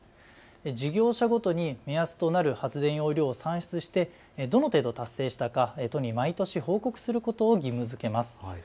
事業者ごとに目安となる発電の量を算出してどの程度達成したか都に毎年、報告することを義務づけます。